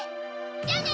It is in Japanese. じゃあね！